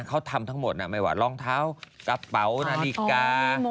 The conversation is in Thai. เขาทำทั้งหมดไม่ว่ารองเท้ากระเป๋านาฬิกา